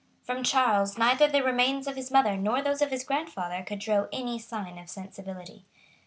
From Charles neither the remains of his mother nor those of his grandfather could draw any sign of sensibility.